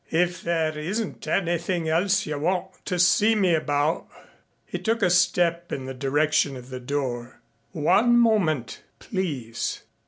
"If there isn't anything else you want to see me about " He took a step in the direction of the door. "One moment, please."